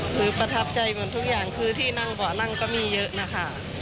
ประทับใจเหมือนทุกอย่างคือที่นั่งเบาะนั่งก็มีเยอะนะคะ